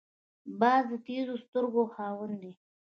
باز د تېزو سترګو خاوند دی